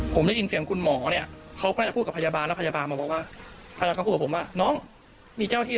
ทีมข่าวได้พยายามติดต่อไปยังไงอำเภอเมืองเลย